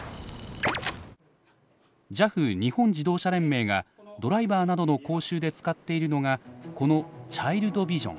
ＪＡＦ日本自動車連盟がドライバーなどの講習で使っているのがこのチャイルドビジョン。